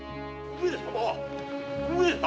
上様！